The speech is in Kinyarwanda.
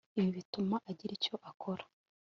ibi bituma agira icyo akora